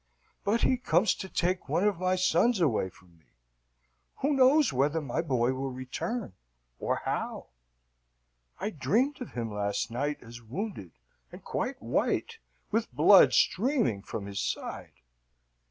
But he comes to take one of my sons away from me. Who knows whether my boy will return, or how? I dreamed of him last night as wounded, and quite white, with blood streaming from his side.